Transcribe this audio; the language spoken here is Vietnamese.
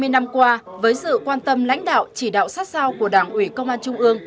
hai mươi năm qua với sự quan tâm lãnh đạo chỉ đạo sát sao của đảng ủy công an trung ương